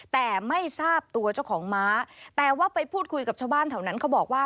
แต่ไม่ทราบตัวเจ้าของม้าแต่ว่าไปพูดคุยกับชาวบ้านแถวนั้นเขาบอกว่า